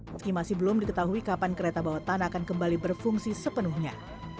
meski masih belum diketahui kapan kereta bawah tanah akan kembali berfungsi sepenuhnya